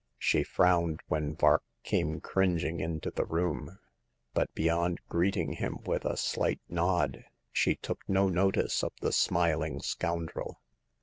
She frowned when Vark came cringing into the room, but beyond greeting him with a slight nod she took no notice of the smiling scoundrel.